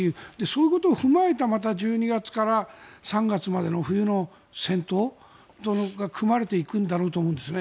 そういうことを踏まえた１２月から３月までの冬の戦闘が組まれていくんだろうと思うんです。